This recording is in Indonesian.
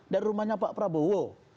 dari rumahnya pak prabowo